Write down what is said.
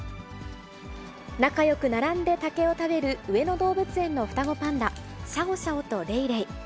仲よく並んで竹を食べる上野動物園の双子パンダ、シャオシャオとレイレイ。